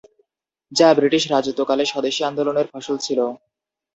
যা ব্রিটিশ রাজত্বকালে স্বদেশী আন্দোলনের ফসল ছিল।